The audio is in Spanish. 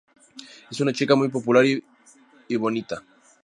Es una chica muy bonita y popular.